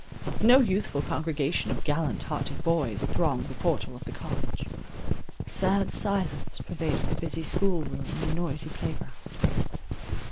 No youthful congregation of gallant hearted boys thronged the portal of the college; sad silence pervaded the busy school room and noisy playground.